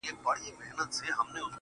خوار زما د حرکت په هر جنجال کي سته